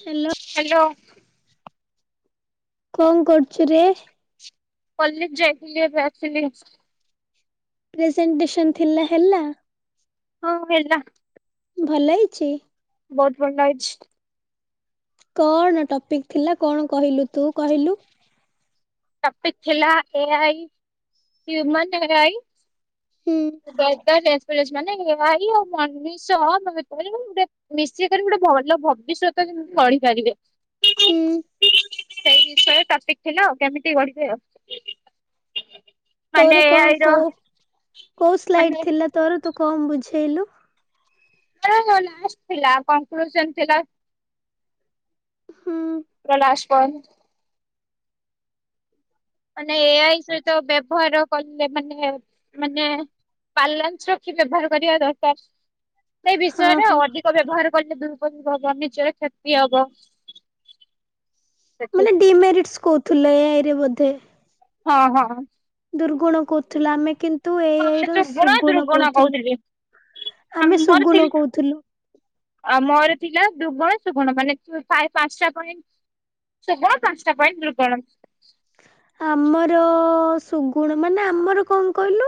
Hello hello କଣ କରୁଛୁ ରେ କଲେଜ ଯାଇଥିଲି ଏବେ ଆସିଲି ପ୍ରେଜେଣ୍ଟେସନ ଥିଲା ହେଲା ହଁ ହେଲା ଭଲ ହେଇଛି ବହୁତ ଭଲ ହେଇଛି କଣ ଟପିକ ଥିଲା କଣ କହିଲୁ ତୁ କହିଲୁ? ଟପିକ ଥିଲା ଏଆଇ ହିଉମାନ ଏରାଇ ହୁଁ ରବିବାର ଏକ୍ସପେରସେ ମାନୋଇ ଆଉ ଉଣେଇଶହ [unintelligible] ନିଶ୍ଚୟ କରି ଗୋଟେ ଭଲ ଭବିଷ୍ୟତ ଯେମିତି ଗଢିପାରିବେ ହୁଁ ସେଇ ବିଷୟରେ ଟପିକ ଥିଲା ଆଉ କେମିତି ଗଢିବେ ଆଉ ମାନେ ତୋର କଣ ଏଆଇର କୋଉ କୋଉ ସ୍ଲାଇଡ ଥିଲା ତୋର ତୁ କମ ବୁଝେଇଲୁ ଆରେ ଲାଷ୍ଟ ଥିଲା କପର୍ସନ ଥିଲା ହୁଁ ପ୍ରଲାଶପ [unintelligible] ମାନେ ଏଆଇ ସହିତ ବ୍ୟବହାର କଲେ ମାନେ ମାନେ ପାଲାନ୍ସ ରଖି ବ୍ୟବହାର କରିବା ଦରକାର ସେଇ ହଁ ବିଷୟରେ ହଁ ଅଧି କ ବ୍ୟବହାର କଲେ ଦୁରୁପଯୋଗ ହବ ନିଜର କ୍ଷତି ହବ ସେଥି ମାନେ ଡିମେରିଟ କହୁଥିଲ ଏରେ ବୋଧେ ହଁ ହଁ ଦୁର୍ଗୁଣ କହୁଥିଲ ଆମେ କିନ୍ତୁ ଏଇ ଏଇ ହଁ ର ସୁଗୁଣ ଦୁର୍ଗୁଣ କହୁଥିଲୁ କହୁଥିଲି ଆମେ ସୁଗୁନ କହୁଥିଲୁ ଆ ମୋର ଥିଲା ଦୁଗୁଣ ସୁଗୁଣ ମାନେ ପାଞ୍ଚଟା ପଏଣ୍ଟ ସୁଗୁଣ ପାଞ୍ଚ ଟା ପଏ ଣ୍ଟ ଦୁଗୁଣ ଆମର ସୁଗୁଣ ମାନେ ଆମର କଣ କହିଲୁ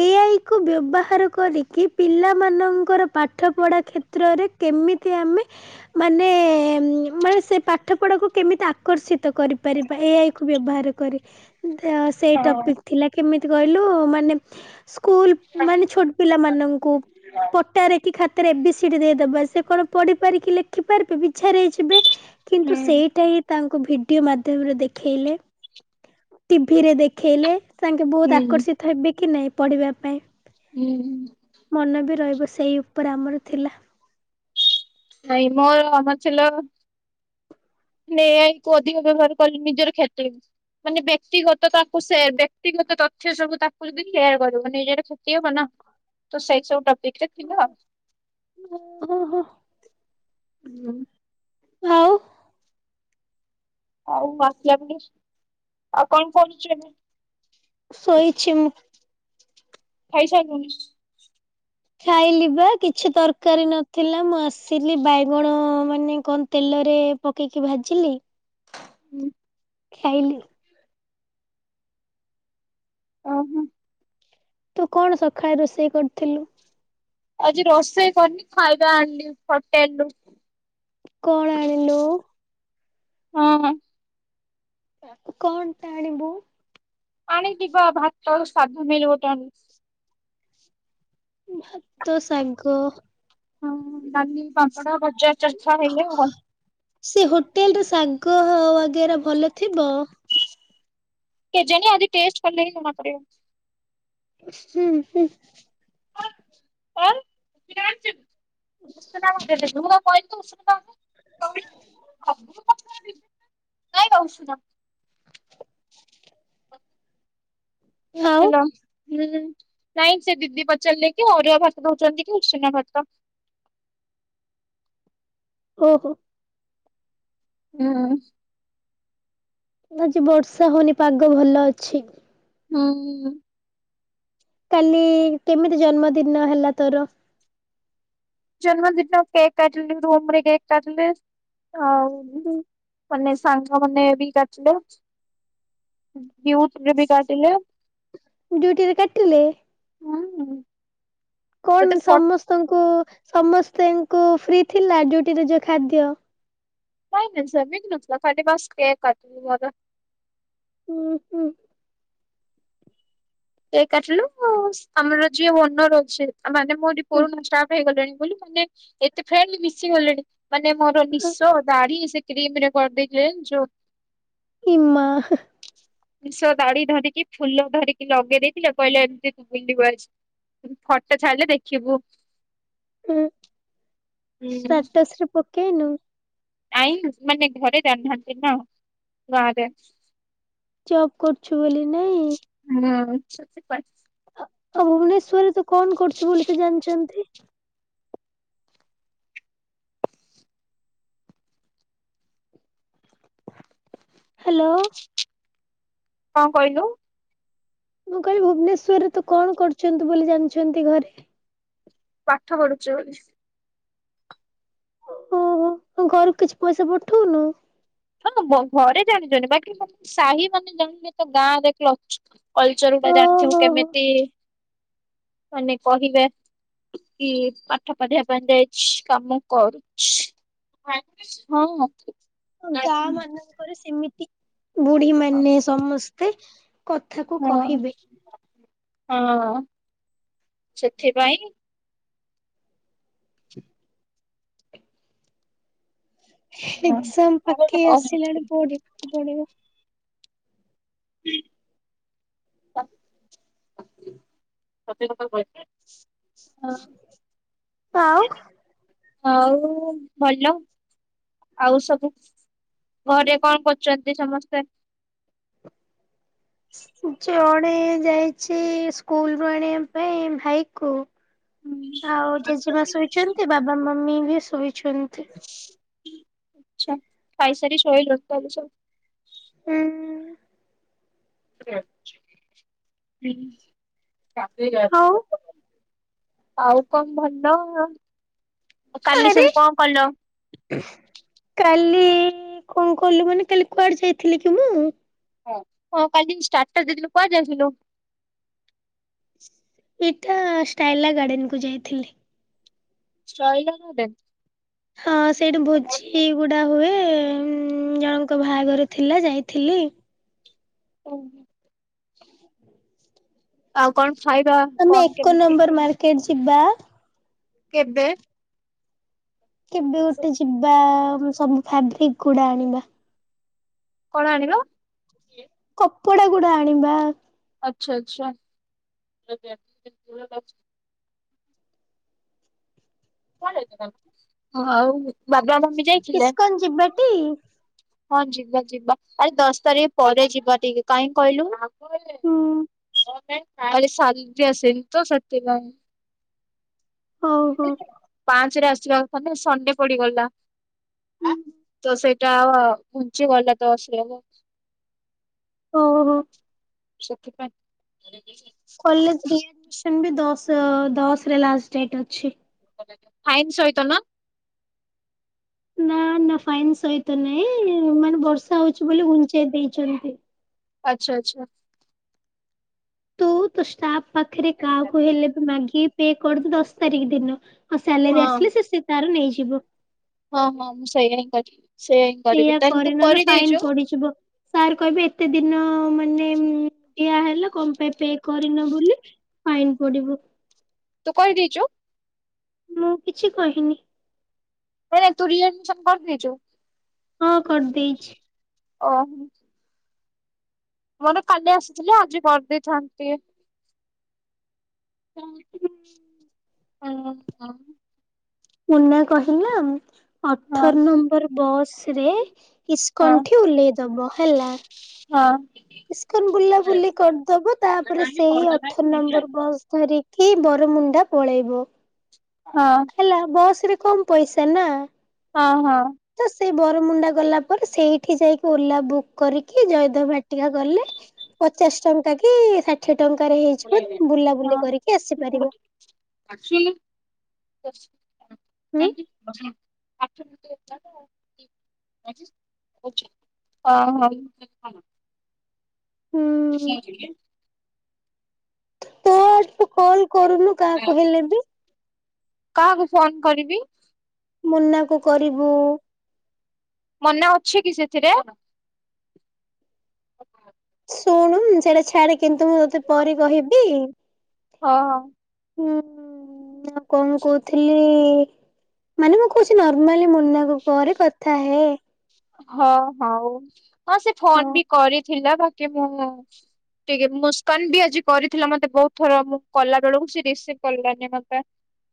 ଏଆଇ କୁ ବ୍ୟବହାର କରିକି ପିଲା ମାନଙ୍କର ପାଠ ପଢା କ୍ଷେତ୍ରରେ କେମିତି ଆମେ ମାନେ ମାନେ ସେ ପାଠ ପଢାକୁ କେମିତି ଆକର୍ଷିତ କରିପାରିବା ଏଆଇ କୁ ବ୍ୟବହାର କରେ ସେଇ ହଁ ଟପିକ୍ ଥିଲା କେମିତି କହିଲୁ ମାନେ ସ୍କୁଲ ମାନେ ଛୋଟ ପିଲାମାନଙ୍କୁ ପଟ ଟାରେ କି ଖାତରେ ଏ ବି ସି ଡି ଦେଇଦବା ସେ କଣ ପଢି ପାରି ଲେଖିପାରିବେ ବିଛାରେ ହେଇଯିବେ ହୁଁ କିନ୍ତୁ ସେଇଟା ହିଁ ତାଙ୍କୁ ଭିଡିଓ ମାଧ୍ୟମରେ ଦେ ଖେଇଲେ ଟିଭିରେ ଦେଖେଇଲେ ତାଙ୍କେ ବହୁତ ହୁଁ ଆକର୍ଷିତ ହେବି କି ନାହିଁ ପଢ଼ିବା ପାଇଁ। ହୁଁ। ମନେ ବି ରହିବ ସେଇ ଉପରେ ଆମର ଥିଲା। ନାଇଁ ମୋର ଆମ ଥିଲା ନେ ଏଆଇ କୁ ଅଧିକ ବ୍ୟବହାର କରିକି ନିଜର କ୍ଷତି। ମାନେ ବ୍ୟକ୍ତିଗତ ତାକୁ ସେ ବ୍ୟକ୍ତିଗତ ତଥ୍ୟ ସବୁ ତାକୁ ଯଦି ସେୟାର କରିବ ନିଜର କ୍ଷତି ହବନା। ତ ସୋଇ ସବୁ ଟପିକ ରେ ଥିଲ? ଓ ହୋ କହ। ହୁଁ ଉଁ। ଆଉ ଆଉ ବାକିଆ ଫିସ୍‌ ଆଉ କଅଁ କରୁଚେ ଏବେ? ଶୋଇଛି ମୁଁ। ଖାଇ ସାଇଲିନୁ? ଖାଇଲି ବା କିଛି ତରକାରୀ ନଥିଲା ମୁଁ ଆସିଲି ବାଇଗଣ ଅ ମାନେ କଣ ତେଲରେ ପକେଇକି ଭାଜିଲି ହୁଁ। ଖାଇଲି। ଓହୋ। ତୁ କଣ ସଖାଳେ ରୋଷେଇ କରିଥିଲୁ? ଆଜି ରୋଷେଇ କରିନି ଖାଇବା ଆଣିଲି ହୋଟେଲ ରୁ। କଣ ଆଣିଲୁ? ହଁ ଅଁ। କଣଟା ଆଣିବୁ? ଆଣିଯିବା ଭାତ ସାଧା ମିଳ ଗୋଟେ ଆଣି ଭାତ ଶାଗ। ହଁ ଡାଲି ପାମ୍ପଡ଼ ଭଜା ଚରିଛଅ ହେଲେ ଆଉ କଣ। ସେ ହୋଟେଲ ର ଶାଗ ଅ ବଗେରା ଭଲ ଥିବ? କେଜାଣି ଆଜି ଟେଷ୍ଟ କଲେ ହିଁ ଜଣାପଡିବ। ହୁଁ ହୁଁ। ଆଉ [unintelligible] [unintelligible] ଉଷୁନା [inaudible] ଆଉ ହ୍ୟାଲୋ ହୁଁ ନାଇଁ ସେ ଦିଦି ପଚାରିଲେ କି ଅରୁଆ ଭାତ ଦଉଛନ୍ତି କି ଉଷୁନା ଭାତ। ଓହୋ। ହୁଁ ଉଁ ଆଜି ବର୍ଷା ହଉନି ପାଗ ଭଲ ଅଛି। ହୁଁ ଉଁ କାଲି ଇ କେମିତି ଜନ୍ମଦିନ ହେଲା ତୋର? ଜନ୍ମଦିନ କେକ୍ କାଟିଲି ରୁମରେ କେକ୍ କାଟିଲେ ଆଉ ମାନେ ସାଙ୍ଗ ମାନେ ବି କାଟିଲେ। ଡିଉଟିରେ ରେ ବି କାଟିଲେ। ଡିଉଟିରେ ରେ କାଟିଲେ? ହୁଁ ଉଁ କଣ ସମସ୍ତଙ୍କୁ ଉ ସମସ୍ତଙ୍କୁ ଫ୍ରି ଥିଲା ଡିଉଟିରେ ଯୋଉ ଖାଦ୍ୟ? ନାଇଁ ନାଇଁ ସେମିତି ନଥିଲା ଖାଲି ବାସ୍ କେକ କାଟିଲୁ ମୋର। ଉଁ ହୁଁ। କେକ୍ କାଟିଲୁ। ଆମର ଯିଏ ଓନର ଅଛି ମାନେ ମୁଁ ଏଠି ପୁରୁଣା ଷ୍ଟାଫ୍ ହେଇଗଲିଣି ବୋଲି ମାନେ ଏତେ ଫ୍ରେଣ୍ଡଲି ମିଶି ଗଲେଣି, ମାନେ ମୋର ନିଶ ଦାଢି ସେ କ୍ରିମ୍ ରେ କରିଦେଇ [unintelligible] ଇ ମା। ନିଶ, ଦାଢ଼ି ଧରିକି ଫୁଲ ଧରି ଲଗେଇ ଦେଇଥିଲେ କହିଲେ ଏମିତି ତୁ ବୁଲିବୁ ଆଜି। ଫଟୋ ଛାଡ଼ିଲେ ଦେଖିବୁ ଉଁ, ହୁଁ ଷ୍ଟାଟସ୍ ରେ ପକେଇନୁ? ଆଇଁଲୁ, ମାନେ ଘରେ ଜାଣିନାହାନ୍ତି ନା ଗାଁରେ। ଜବ୍ କରୁଛୁ ବୋଲି ନାଇଁ। ହୁଁ [unintelligible] ଆଉ ଭୁବନେଶ୍ୱର ରେ ତୁ କଣ କରୁଚୁ ବୋଲି ସେ ଜାଣିଛନ୍ତି? ହାଲୋ। କଣ କହିଲୁ? ମୁଁ କହିଲି ଭୁବନେଶ୍ଵର ରେ ତୁ କଣ କରୁଛନ୍ତି ବୋଲି ଜାଣିଛନ୍ତି ଘରେ? ପାଠ ପଢୁଚି ବୋଲି। ଓହୋ। ତୁ ଘରକୁ କିଛି ପଇସା ପଠଉନୁ? ହଁ, ବ ଘରେ ଜାଣିଛନ୍ତି। ବାକି ସାହି ମାନେ ଜାଣିଲେ ତ ଗାଁରେ କଲ୍ କଲ୍ଚର ଗୁଡା ଜାଣିଥିବୁ ଓହୋ ହୋ। କେମିତି, ମାନେ କହିବେ। କି, ପାଠ ପଢିବା ପାଇଁ ଯାଇଛି କାମ କରୁଛି। [unintelligible] ହଁ। ଗାଁ ମାନଙ୍କରେ ସେମିତି ବୁଢୀ ମାନେ ସମସ୍ତେ କଥାକୁ ହଁ, କହିବେ ହଁ, ସେଥିପାଇଁ [unintelligible] ଆଉ ଏଜ୍ଜାମ୍ ପାଖେଇ ଆସିଲାଣି ପଢିବାକୁ ପଡିବ। [unintelligible] [unintelligible] ଆଉ ହଁ। ହଉ ଭଲ। ଆଉ ସବୁ ଘରେ କଣ କରୁଛନ୍ତି ସମସ୍ତେ? ଜଣେ ଯାଇଚି ସ୍କୁଲୁ ରୁ ଆଣିବା ପାଇଁ ଭାଇ କୁ। ଆଉ ଜେଜେମା ଆଛା ଶୋଇଛନ୍ତି। ବାବା, ମମି ବି ଶୋଇଛନ୍ତି। ଆଛା। ଖାଇ ସାରି ସୋଇଲଣି ତାହେଲେ ସବୁ। ଉଁ [unintelligible] ଆଉ ହଉ କଣ ଭଲ। ଆଉ କାଲି ଆରେ ସବୁ କଣ କଲ? କାଲି କଣ କଲୁ ମାନେ କାଲି କୁଆଡେ ଯାଇଥିଲି କି ମୁଁ? ହଁ। ହଁ କାଲି ଷ୍ଟାର୍ଟସ ଦେଇଥିଲୁ କୁଆଡ଼େ ଯାଇଥିଲୁ? ସେଇଟା ଷ୍ଟାଇଲା ଗାର୍ଡେନ କୁ ଯାଇଥିଲି। ଷ୍ଟାଇଲା ଗାର୍ଡେନ। ହଁ ସେଇଠି ଭୋଜି ଗୁଡା ହୁଏ। ଉଁ ଜଣଙ୍କ ବାହାଘର ଥିଲା ଯାଇଥିଲି। [unintelligible] [unintelligible] ଆଉ କଣ ଖାଇବା ଆମେ କଣ ଏକ କେମିତି ନମ୍ବର ମାର୍କେଟ ଯିବା। କେବେ? କେବେ ଗୋଟେ ଯିବା ସବୁ ଫାବ୍ରିକ୍ ଗୁଡା ଆଣିବା। କଣ ଆଣିଲ? କପଡା ଗୁଡା ଆଣିବା। ଆଚ୍ଛା ଆଚ୍ଛା। ହଁ, ଆଉ ବାବା ମମି ଯାଇଥିଲେ। ଇସ୍କନ ଯିବାଟି ହଁ, ଯିବା ଯିବା ଆରେ ଦଶ ତାରିଖ ପରେ ଯିବା ଟିକେ କାହିଁକ କଇଲୁ। ହୁଁ କାଲି ସାଲିରି ଆସିନି ତ ସେଥିପାଇଁ। ହଉ ହଉ। ପାଞ୍ଚରେ ଆସିବା କଥା ନା ସଣ୍ଡେ ପଡିଗଲା। ହୁଁ ତ ସେଇଟା ଘୁଞ୍ଚି ଗଲା ତ ଆସିଲାନି। ଓହୋ। ସୁଖିପାଣି। କଲେଜ ରିଆଡମିସନ ବି ଦଶ ଦଶରେ ଲାଷ୍ଟ ଡେଟ୍ ଅଛି। ଫାଇନ୍ ଶଇତନ। ନା ନା ଫାଇନ୍ ସହିତ ନାଇଁ ମାନେ ବର୍ଷା ହଉଛି ବୋଲି ଘୁଞ୍ଚେଇ ଦେଇଛନ୍ତି। ଆଚ୍ଛା ଆଚ୍ଛା। ତୁ ତ ଷ୍ଟାଫ ପାଖରେ କାହାକୁ ହେଲେ ବି ମାଗି ପେ କରିଦେ ଦଶ ତାରିଖ ଦିନ। ଆଉ ସାଲାରୀ ହଁ ଆସିଲେ ସେ ସେ ତାର ନେଇଯିବ। ହଁ ହଁ ମୁଁ ସେଇୟା ହିଁ କରିବି ସେଇୟା ହିଁ କରିବି ସେଇଆ ତାହେଲେ କରେ ତୁ ନହେଲେ ଫାଇନ କରିଦେଇଛୁ। ସାର୍ କହିବେ ଏତେ ଦିନ ମାନେ ଦିଆ ହେଲା କଣ ପାଇଁ ପେ କରିନ ବୋଲି ଫାଇନ ପଡିବ। ତୁ କରିଦେଇଛୁ। ମୁଁ କିଛି କହିନି। ନ ନାଇ ତୁ ରିଏଡମିଶନ କରିଦେଇଛୁ। ହଁ କରିଦେଇଛି। ଓହୋ। ମୋର କାଲି ଆସିଥିଲେ ଆଜି କରିଦେଇଥାନ୍ତି। ହୁଁ। ହୁଁ। ମୁନା କହିଲା ହଁ ଅଠର ନମ୍ବର ବସ ରେ ହଁ ଇସ୍କଣ୍ଠି ଓହ୍ଲେଇଦବ ହେଲା। ହଁ। ଇସ୍କନ ବୁଲାବୁଲି କରିଦବ ତାପରେ ସେଇ ଅଠର ନମ୍ବର ବସ୍ ଧରିକ କି ବରମୁଣ୍ଡା ପଳେଇବ। ହଁ। ହେଲା ବସରେ କମ ପଇସା ନା। ହଁ ହଁ। ତ ସେଇ ବରମୁଣ୍ଡା ଗଲା ପରେ ସେଇଠି ଯାଇକି ଓଲା ବୁକ୍ କରିକି ଜୟଦେବ ବାଟିକା ଗଲେ ପଚାଶ ଟଙ୍କା କି ଷାଠିଏ ଟଙ୍କାରେ ହେଇଯିବ ବୁଲାବୁଲି କରିକି ଆସିପାରିବ। ଆକଚୁଏଲି ହୁଁ। [unintelligible] ହଁ ହ। ହୁଁ [unintelligible] ତୁ ଆଡୁ ତୁ କଲ କରୁନୁ କାହାକୁ ହେଲେ ବି। କାହାକୁ ଫୋନ କରିବି। ମୁନାକୁ କରିବୁ। ମନା ଅଛି କି ସେଥିରେ। ଶୁଣୁ ସେଇଟା ଛାଡେ କିନ୍ତୁ ମୁଁ ତତେ ପରେ କହିବି ହଁ ହଁ। ହୁଁ ଆ କଣ କହୁଥିଲି ମାନେ ମୁଁ କହୁଛି ନର୍ମାଲି ମୁନା କରେ କଥା ହେ। ହଁ ହଉ ହଁ ସେ ଫୋନ୍ ବି କରିଥିଲା ବାକି ମୁଁ ଟିକେ ମୁସ୍କାନ ବି ଆଜି କରିଥିଲା ମତେ ବୋହୁତ ଥର ମୁଁ କଲା ବେଳକୁ ସେ ରିସିଭ କଲାନି ମତେ।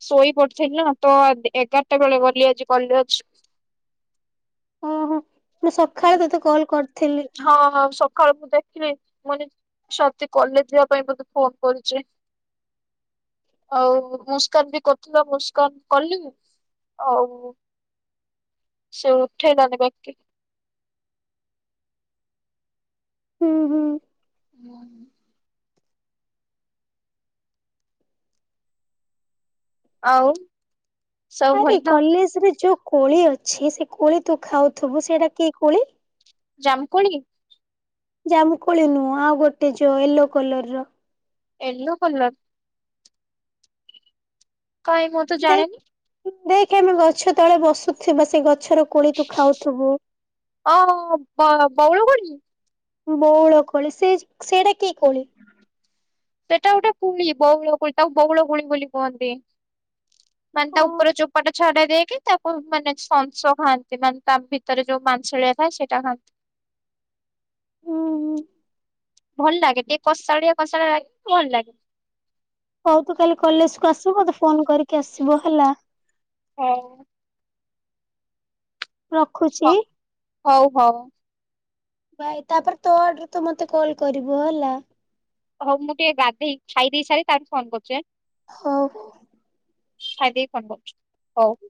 ଶୋଇ ପଡିଥିଲି ନା ତ ଏଗାରଟା ବେଳେ ଗଲି ଆଜି କଲେଜ। ଓହୋ ମୁଁ ସଖାଳେ ତୋତେ କଲ୍ କରିଥିଲି। ହଉ ହଉ ସଖାଳ କୁ ଦେଖିବି ମୁଁ କ ସତି କଲେଜ ଯିବା ପାଇଁ ବୋତେ ଫୋନ କରୁଚି। ହଉ ହଉ ମୁସ୍କାନ ବି କରଥିବା ମୁସ୍କାନ କଲୁ ଆଉ ସେ ଉଠେଇଲନି ବା ହୁଁ ହୁଁ। [inaudible] ଆଉ। ସବୁ ଆରେ ଭଲ ତ କଲେଜରେ ଯୋଉ କୋଳି ଅଛି ସେ କୋଳି ତୁ ଖାଉଥିବୁ ସେଇଟା କି କୋଳି। ଜାମୂକୋଳି। ଜାମୁକୋଳି ନୁଁ ଆଉ ଗୋଟେ ଯୋ ୟେଲୋ କଲର ର। Yellow colour. କାଇଁ ମୁଁ ତ ଜାଣିନି। ଦେଖି ଆମେ ଗଛ ତଳେ ବସୁଥିବା ସେ ଗଛର କୋଳି ତୁ ଖାଉଥିବୁ। ଓ ହଉ ବଳ ବୋଉଳ କୋଳି। ବୋଉଳ କୋଳି ସେ ସେଇଟା କି କୋଳି। ସେଟା ଗୋଟେ କୁଳି ବୋଉଳ କୁଳି ତାକୁ ବୋଉଳ କୁଳି ବୋଲି କୁହନ୍ତି।। [inaudible] ମାନେ ତା ଉପର ଚୋପାଟା ଛାଡା ଦେଇକି ତାକୁ ମାନେ ସଂସ ଖାଆନ୍ତି ମାନେ ତା ଭିତ ଭିତରେ ଯୋଉ ମାଂସଳିଆ ଥାଏ ସେଇଟା ଖାଆନ୍ତି। ହୁଁ ଭଲ ଲାଗେ ଟିକେ କଷାଳିଆ କଷାଳିଆ ଲାଗ ଭଲ ଲାଗେ। ହୋଉ ତୁ କାଲି କଲେଜ କୁ ଆସୁ ବୁ ମତେ ଫୋନ କରିକି ଆସିବୁ ହେଲା। ହୁଁ। ରଖୁଚି। ହ ହଉ ହଉ ଭାଏ ତାପରେ ତୋ ଆଡରୁ ତୁ ମତେ କଲ କରିବୁ ହେଲା। ହଉ ମୁଁ ଟିକେ ଗାଧେଇ ଖାଇ ଦେଇ ସାରି ତା ପରେ ଫୋନ କରୁଛି ଆଁଏ। ହୋଉ ହୋଉ। ଖାଇଦେଇ କି ଫୋନ କରୁଚି ହୋଉ।